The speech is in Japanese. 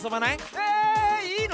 えいいの？